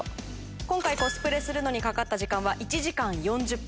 今回コスプレにかかった時間は１時間４０分。